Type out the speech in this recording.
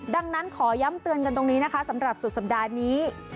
ดังนั้นขอย้ำเตือนกันตรงนี้นะคะสำหรับสุดสัปดาห์นี้